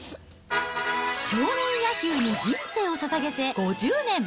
少年野球に人生をささげて５０年。